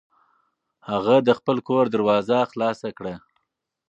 هغه د خپل کور دروازه خلاصه کړه.